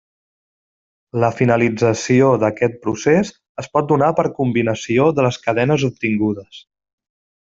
La finalització d’aquest procés es pot donar per combinació de les cadenes obtingudes.